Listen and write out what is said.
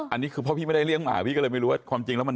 อันนี้คือเพราะพี่ไม่ได้เลี้ยงหมาพี่ก็เลยไม่รู้ว่าความจริงแล้วมัน